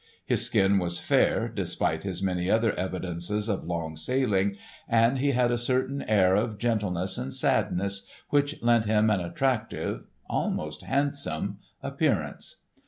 His skin was fair, despite his many other evidences of long sailing, and he had a certain air of gentleness and sadness which lent him an attractive—almost handsome—appearance.